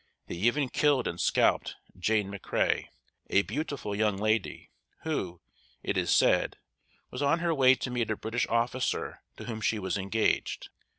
They even killed and scalped Jane McCreā, a beautiful young lady, who, it is said, was on her way to meet a British officer to whom she was engaged.